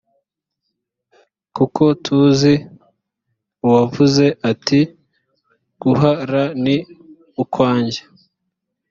kuko tuzi uwavuze ati guh ra ni ukwanjye